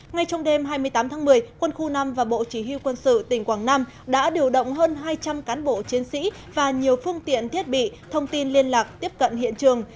ngay trong đêm hai mươi tám tháng một mươi quân khu năm và bộ chỉ huy quân sự tỉnh quảng nam đã điều động hơn hai trăm linh cán bộ chiến sĩ và nhiều phương tiện thiết bị thông tin liên lạc tiếp cận hiện trường